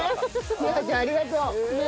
日菜葉ちゃんありがとう！